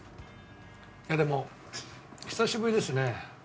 いやでも久しぶりですね。